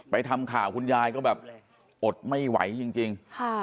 ทำข่าวคุณยายก็แบบอดไม่ไหวจริง